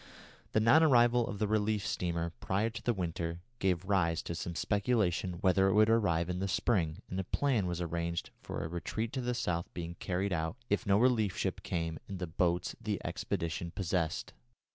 The non arrival of the relief steamer prior to the winter gave rise to some speculation whether it would arrive in the spring, and a plan was arranged for a retreat to the south being carried out, if no relief ship came, in the boats the expedition possessed.